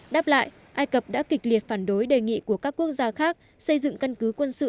đáp lại ai cập đã kịch liệt phản đối đề nghị của các quốc gia khác xây dựng căn cứ quân sự